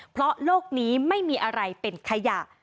เพราะโลกนี้ไม่มีอะไรเป็นขยะ